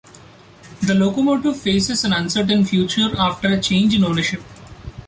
The locomotive faces an uncertain future after a change in ownership.